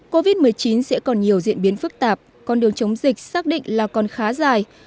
covid một mươi chín sẽ còn nhiều diễn biến phức tạp con đường chống dịch xác định là còn khá dài